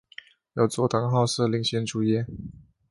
由佐藤浩市领衔主演。